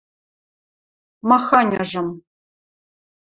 – Маханьжым...